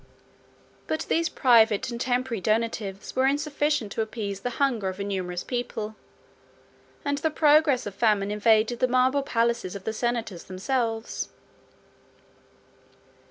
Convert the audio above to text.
75 But these private and temporary donatives were insufficient to appease the hunger of a numerous people; and the progress of famine invaded the marble palaces of the senators themselves.